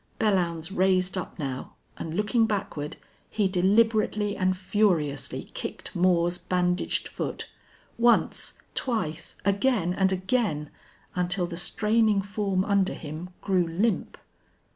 Belllounds raised up now and, looking backward, he deliberately and furiously kicked Moore's bandaged foot; once, twice, again and again, until the straining form under him grew limp.